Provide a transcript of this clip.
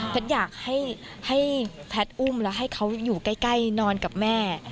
อยากให้แพทย์อุ้มแล้วให้เขาอยู่ใกล้นอนกับแม่